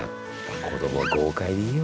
子供豪快でいいよなあ。